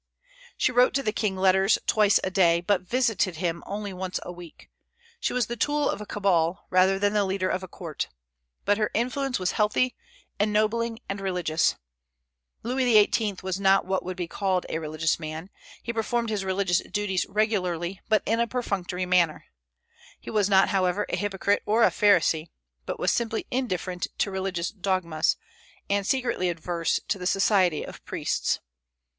She wrote to the king letters twice a day, but visited him only once a week. She was the tool of a cabal, rather than the leader of a court; but her influence was healthy, ennobling, and religious. Louis XVIII. was not what would be called a religious man; he performed his religious duties regularly, but in a perfunctory manner. He was not, however, a hypocrite or a pharisee, but was simply indifferent to religious dogmas, and secretly averse to the society of priests.